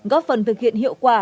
góp phần thực hiện hiệu quả